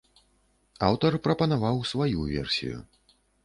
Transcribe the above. Аўтар прапанаваў сваю версію.